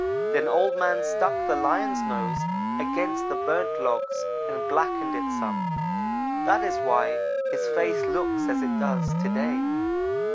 Then Old man stuck the Lion's nose against the burnt logs and blackened it some that is why his face looks as it does to day.